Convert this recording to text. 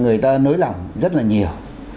người ta nới lỏng rất là nhiều